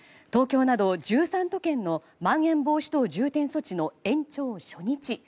東京など１３都県のまん延防止等重点措置の延長初日